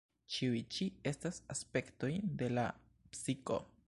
Ĉiuj ĉi estas aspektoj de la psiko.